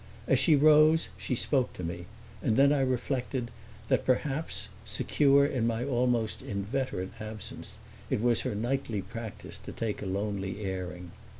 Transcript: As she rose she spoke to me, and then I reflected that perhaps, secure in my almost inveterate absence, it was her nightly practice to take a lonely airing.